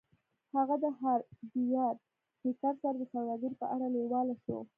هغه د هارډویر هیکر سره د سوداګرۍ په اړه لیواله شو